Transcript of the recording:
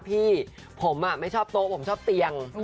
พี่ผมไม่ชอบโต๊ะผมชอบเตียง